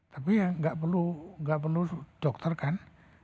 tapi ya nggak perlu dokter kan